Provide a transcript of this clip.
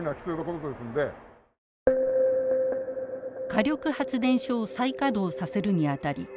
火力発電所を再稼働させるにあたり